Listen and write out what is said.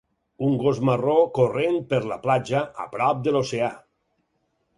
Un gos marró corrent per la platja a prop de l'oceà.